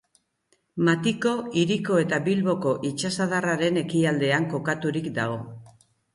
Matiko hiriko eta Bilboko itsasadarraren ekialdean kokaturik dago.